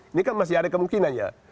ini kan masih ada kemungkinan ya